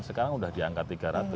sekarang udah diangkat tiga ratus